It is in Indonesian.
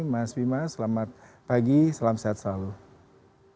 mas bima selamat pagi salam sehat selalu